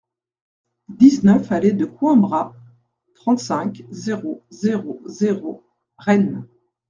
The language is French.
dix-neuf allée de Coïmbra, trente-cinq, zéro zéro zéro, Rennes